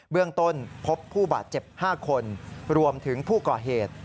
เรื่องต้นพบผู้บาดเจ็บ๕คนรวมถึงผู้ก่อเหตุ